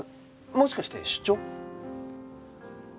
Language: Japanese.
もしかして出張？